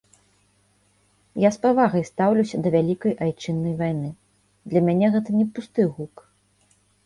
Я з павагай стаўлюся да вялікай айчыннай вайны, для мяне гэта не пусты гук.